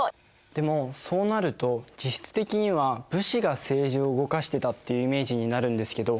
でもそうなると実質的には武士が政治を動かしてたっていうイメージになるんですけど。